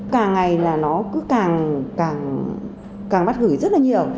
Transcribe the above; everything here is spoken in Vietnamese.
càng ngày là nó cứ càng càng càng bắt gửi rất là nhiều